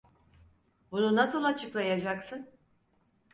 Bunu nasıl açıklayacaksın?